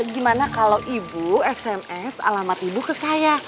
gimana kalau ibu sms alamat ibu ke saya